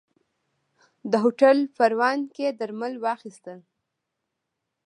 ده هوټل پروان کې درمل واخيستل.